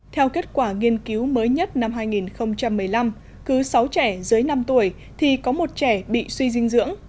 theo kết quả nghiên cứu mới nhất năm hai nghìn một mươi năm cứ sáu trẻ dưới năm tuổi thì có một trẻ bị suy dinh dưỡng